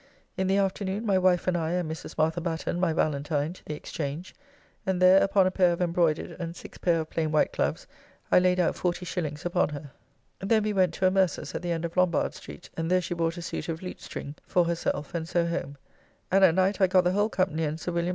In the afternoon my wife and I and Mrs. Martha Batten, my Valentine, to the Exchange, and there upon a payre of embroydered and six payre of plain white gloves I laid out 40s. upon her. Then we went to a mercer's at the end of Lombard Street, and there she bought a suit of Lutestring [More properly called "lustring"; a fine glossy silk.] for herself, and so home. And at night I got the whole company and Sir Wm.